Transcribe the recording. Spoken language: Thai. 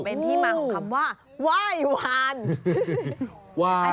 เป็นที่มาของคำว่าไหว้วาน